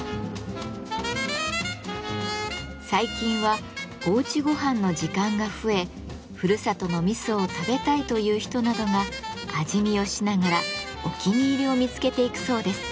最近は「おうちごはん」の時間が増えふるさとの味噌を食べたいという人などが味見をしながらお気に入りを見つけていくそうです。